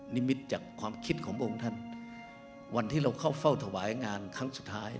นิมิตจากความคิดของพระองค์ท่านวันที่เราเข้าเฝ้าถวายงานครั้งสุดท้าย